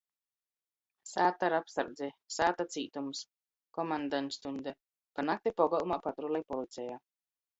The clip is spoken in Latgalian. Sāta ar apsardzi. Sāta cītums. Komandantstuņde. Pa nakti pogolmā patrulej policeja.